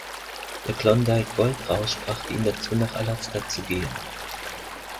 Der Klondike-Goldrausch brachte ihn dazu, nach Alaska zu gehen.